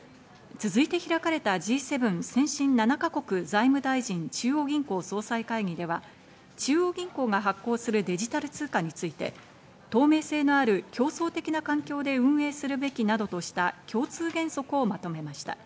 続いて開かれたＧ７＝先進７か国財務大臣・中央銀行総裁会議では中央銀行が発行するデジタル通貨について、透明性のある競争的な環境で運営するべきなどとした共通原則をまとめました。